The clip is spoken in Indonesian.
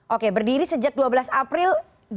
oke berdiri sejak dua belas april dua ribu dua puluh